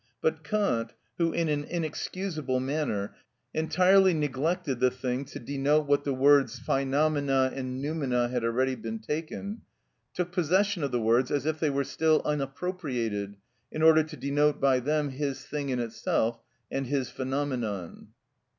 But Kant, who, in an inexcusable manner, entirely neglected the thing to denote which the words φαινομενα and νοουμενα had already been taken, took possession of the words, as if they were still unappropriated, in order to denote by them his thing in itself and his phenomenon.